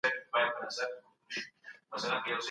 له دې وروسته پرتګالیان، هالینډیان، انګریزان او فرانسویان.